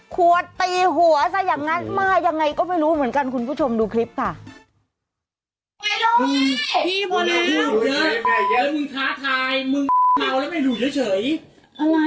ขวดตีหัวซะอย่างนั้นมายังไงก็ไม่รู้เหมือนกันคุณผู้ชมดูคลิปค่ะ